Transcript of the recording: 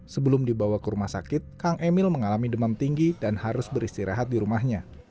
sebelum dibawa ke rumah sakit kang emil mengalami demam tinggi dan harus beristirahat di rumahnya